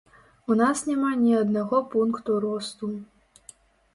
У нас няма ні аднаго пункту росту.